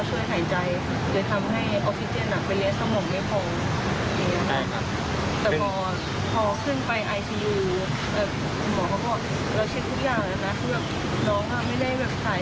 เรากำลังถามสถานที่ถือว่าสถานที่เกิดจากอะไร